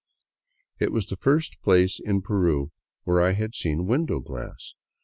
It was the first place in Peru where I had seen window glass.